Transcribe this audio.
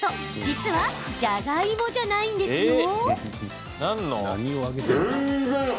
実はじゃがいもじゃないんですよ。